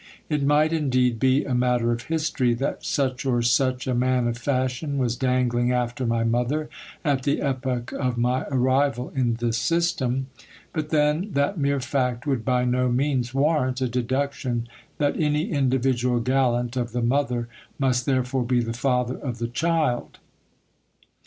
It might indeed be a matter of history, that such or such a man of fashion was dangling after my mother at the epoch of my arrival in this system ; but then, that mere fact would by no means warrant a deduction that any individual gallant of the mother must therefore be the father of the child.